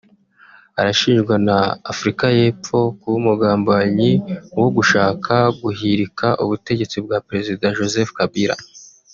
arashinjwa na Afurika y’Epfo kuba mu mugambi wo gushaka guhirika ubutegetsi bwa Perezida Joseph Kabila